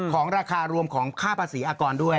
ของราคารวมของค่าตัวประสิทศ์อากรด้วย